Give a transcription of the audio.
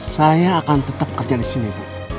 saya akan tetap kerja disini bu